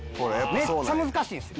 めっちゃ難しいんですよ。